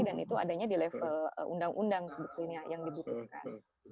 dan itu adanya di level undang undang sebetulnya yang dibutuhkan